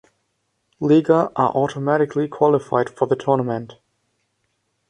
Liga are automatically qualified for the tournament.